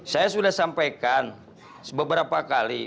saya sudah sampaikan beberapa kali